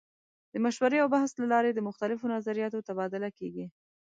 د مشورې او بحث له لارې د مختلفو نظریاتو تبادله کیږي.